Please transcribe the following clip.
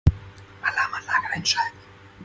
Alarmanlage einschalten.